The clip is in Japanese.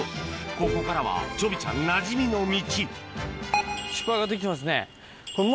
ここからはちょびちゃんなじみの道